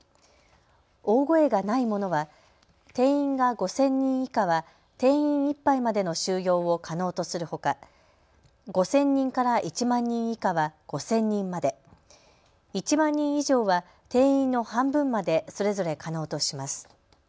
大声がないものは定員が５０００人以下は定員いっぱいまでの収容を可能とするほか５０００人から１万人以下は５０００人まで、１万人以上は定員の半分までそれぞれ可能とします。